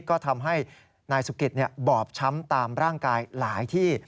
ก็ทำให้นายสุกิตบอบช้ำตามร่างกายหลายที่